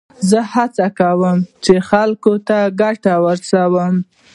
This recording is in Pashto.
زه هڅه کوم، چي خلکو ته ګټه ورسوم.